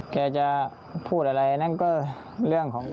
แกจะพูดอะไรอันนั้นก็เรื่องของ